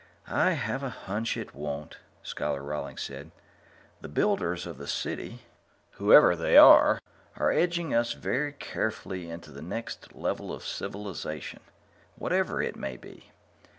"I have a hunch it won't," Scholar Rawlings said. "The builders of the City, whoever they are, are edging us very carefully into the next level of civilization whatever it may be.